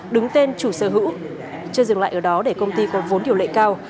đứng tên chủ sở hữu chưa dừng lại ở đó để công ty có vốn điều lệ cao